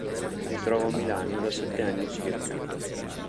Mi trovo a Milano da sette anni circa.